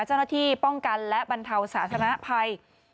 เจ้าหน้าที่ป้องกันและบรรเทาสาธารณภัย